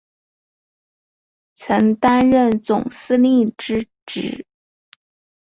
曾担任总司令之职。